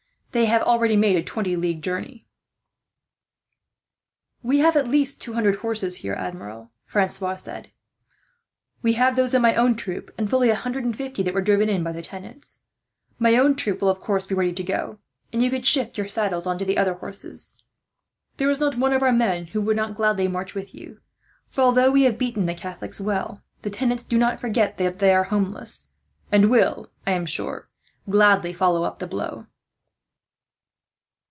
They have already made a twenty league journey." "We have at least two hundred horses here, Admiral," Francois said. "We have those of my own troop, and fully a hundred and fifty that were driven in by the tenants. My own troop will, of course, be ready to go; and you could shift your saddles on to the other horses. There is not one of our men who would not gladly march with you, for although we have beaten the Catholics well, the tenants do not forget that they are homeless; and will, I am sure, gladly follow up the blow."